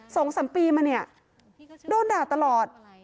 สองสามปีมาเนี่ยโดนด่าตลอด